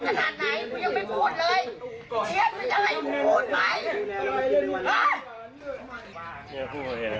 พี่พูดเวทย์นะครับ